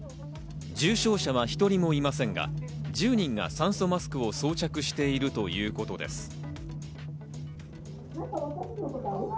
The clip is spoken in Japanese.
重症者は１人もいませんが、１０人が酸素マスクを装着しているということです。